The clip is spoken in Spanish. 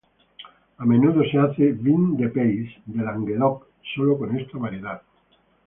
A menudo se hace "vin de pays" de Languedoc solo con esta variedad.